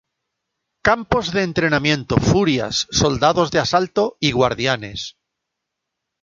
Campos de entrenamiento:furias, soldados de asalto y guardianes.